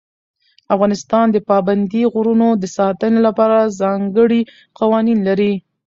افغانستان د پابندي غرونو د ساتنې لپاره ځانګړي قوانین لري.